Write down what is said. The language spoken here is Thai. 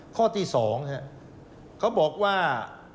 ข้อที่๒เขาบอกว่า